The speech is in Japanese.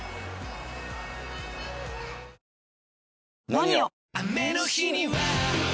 「ＮＯＮＩＯ」！